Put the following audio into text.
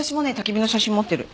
焚き火の写真持ってる。